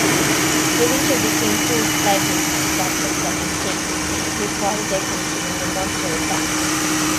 They later became full-fledged detectives after taking the required exams during a monster attack.